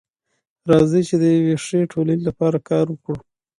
راځئ چي د يوې ښې ټولني لپاره کار وکړو.